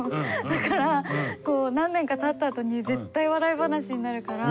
だから何年かたったあとに絶対笑い話になるから。